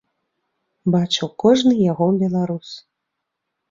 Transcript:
Бачыў кожны яго беларус.